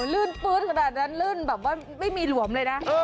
ลื่นปื๊ดขนาดนั้นลื่นแบบว่าไม่มีหลวมเลยนะ